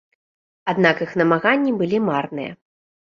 Аднак іх намаганні былі марныя.